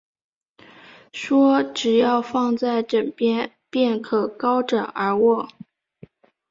说只要放在枕边，便可高枕而卧